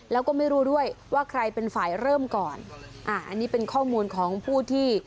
แล้วก็ไม่รู้ด้วยว่าใครเป็นฝ่ายเริ่มก่อนอ่าอันนี้เป็นข้อมูลของผู้ที่